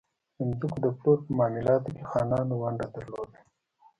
د ځمکو د پلور په معاملاتو کې خانانو ونډه درلوده.